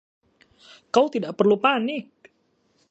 Kau tidak perlu panik.